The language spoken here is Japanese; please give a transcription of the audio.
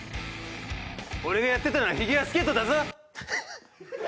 俺がやってたのはフィギュアスケートだぞ。